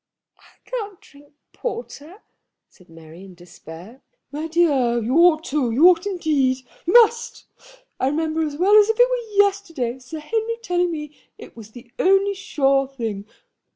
"I can't drink porter," said Mary, in despair. "My dear, you ought to; you ought indeed; you must. I remember as well as if it were yesterday Sir Henry telling me it was the only sure thing.